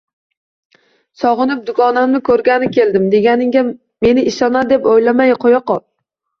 Sog`inib, dugonamni ko`rgani keldim deganingga meni ishonadi deb o`ylamay qo`yaqol